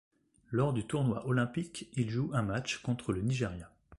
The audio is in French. Lors du tournoi olympique, il joue un match contre le Nigeria.